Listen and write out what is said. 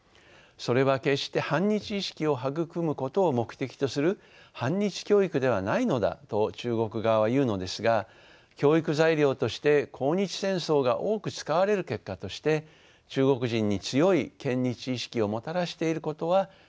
それは決して反日意識を育むことを目的とする反日教育ではないのだと中国側は言うのですが教育材料として抗日戦争が多く使われる結果として中国人に強い嫌日意識をもたらしていることは否めません。